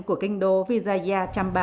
của kinh đô vizayasura trăm ba